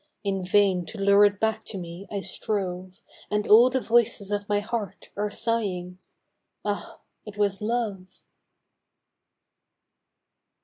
In vain to lure it back to me I strove — And all the voices of my heart are sighing, " Ah ! it was Love